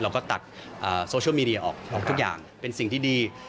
ตักโซเชียลมีเดียออกทุกอย่างเป็นสิ่งที่ดี